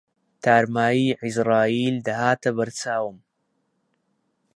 تارماییی عیزراییل دەهاتە بەر چاوم